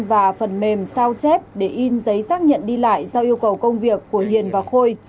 và phần mềm sao chép để in giấy xác nhận đi lại do yêu cầu công việc của hiền và khôi